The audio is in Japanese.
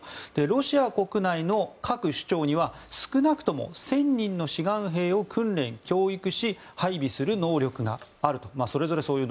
ロシア国内の各首長には少なくとも１０００人の志願兵を訓練・教育し配備する能力があると。